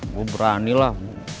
gue berani lah